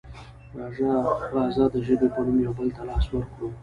راځه د ژبې په نوم یو بل ته لاس ورکړو.